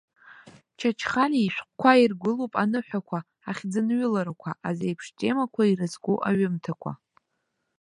Чачхалиа ишәҟәқәа иргәылоуп аныҳәақәа, ахьӡынҩыларақәа, азеиԥш темақәа ирызку аҩымҭақәа.